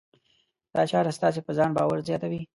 دا چاره ستاسې په ځان باور زیاتوي.